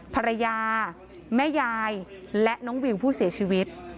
ภรรยาแม่ยายและน้องวิวผู้เสียชีวิต